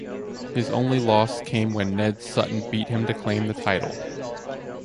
His only loss came when Ned Sutton beat him to claim the title.